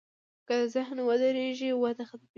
که ذهن ودرېږي، وده ختمېږي.